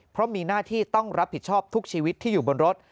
เพราะมีหน้าที่ต้องรับผิดชอบทุกชีวิตที่อยู่บนรถ